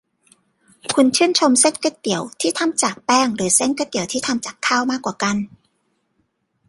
คุณชื่นชอบเส้นก๋วยเตี๋ยวที่ทำจากแป้งหรือเส้นก๋วยเตี๋ยวที่ทำจากข้าวมากกว่ากัน ?